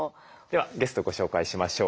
ではゲストご紹介しましょう。